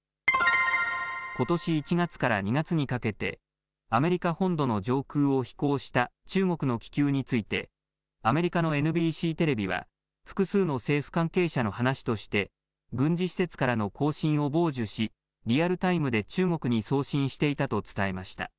ことし１月から２月にかけてアメリカ本土の上空を飛行した中国の気球についてアメリカのＮＢＣテレビは複数の政府関係者の話として軍事施設からの交信を傍受しリアルタイムで中国に送信していたと伝えました。